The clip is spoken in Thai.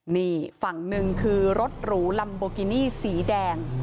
นี่ฝั่งหนึ่งคือรถหรูลัมโบกินี่สีแดง